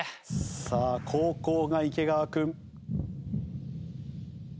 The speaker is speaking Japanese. さあ後攻が池川君。